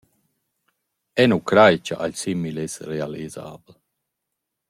Eu nu craj cha alch simil es realisabel.